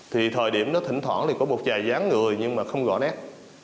thời điểm thỉnh thoảng có một vài gián người nhưng không gõ nét